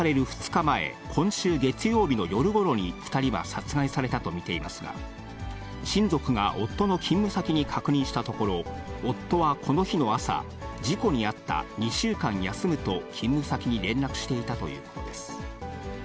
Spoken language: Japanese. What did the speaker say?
２日前、今週月曜日の夜ごろに２人は殺害されたと見ていますが、親族が夫の勤務先に確認したところ、夫はこの日の朝、事故に遭った、２週間休むと勤務先に連絡していたということです。